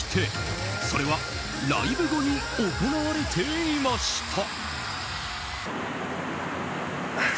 それは、ライブ後に行われていました。